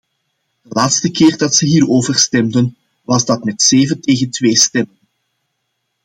De laatste keer dat ze hierover stemden was dat met zeven tegen twee stemmen.